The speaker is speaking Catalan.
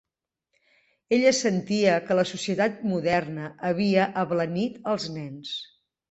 Ella sentia que la societat moderna havia "ablanit" als nens.